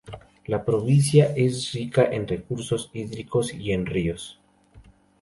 La provincia es rica en recursos hídricos y en ríos.